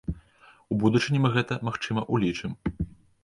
У будучыні мы гэта, магчыма, улічым.